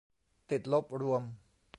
ติดลบรวม